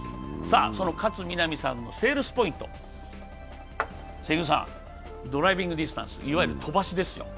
勝みなみさんのセールスポイントですが、ドライビングディスタンス、いわゆる飛ばしですよ。